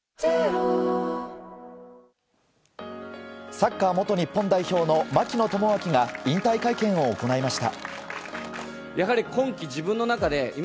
サッカー元日本代表の槙野智章が引退会見を行いました。